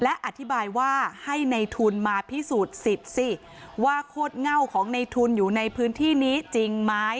และอธิบายว่าให้ในทุนมาพิสูจน์สิทธิ์สิว่าโคตรเง่าของในทุนอยู่ในพื้นที่นี้จริงไหม